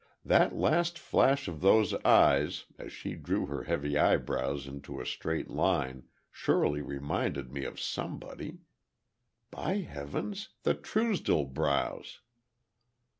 "That last flash of those eyes, as she drew her heavy eyebrows into a straight line surely reminded me of somebody. By heavens! the Truesdell brows!"